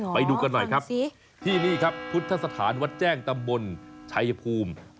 ไปดูกันหน่อยครับที่นี่ครับพุทธสถานวัดแจ้งตำบลชัยภูมิ